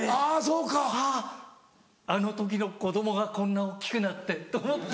あぁあの時の子供がこんな大きくなってと思って。